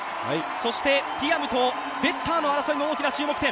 そしてティアムとベッターの争いも大きな注目点。